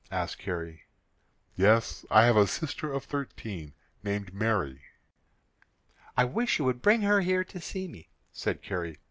asked Carrie. "Yes; I have a sister of thirteen, named Mary." "I wish you would bring her here to see me," said Carrie.